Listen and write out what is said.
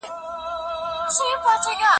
لکه چې څوک بېمخه ښې درنه روانه وي،